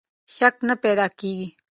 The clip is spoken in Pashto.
شک نه پیدا کېږي.